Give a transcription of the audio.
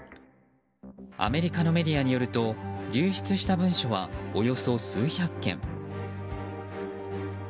アメリカのメディアによると流出した文書はおよそ数百件。